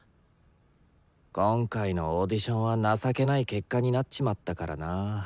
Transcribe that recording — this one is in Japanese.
今回のオーディションは情けない結果になっちまったからな。